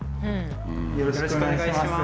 よろしくお願いします。